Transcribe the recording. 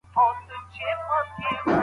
وران نقيب خو وراني كيسې نه كوي